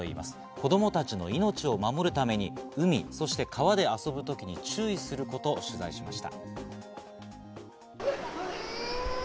子供たちの命を守るために海、そして川で遊ぶ時に注意することを取材しました。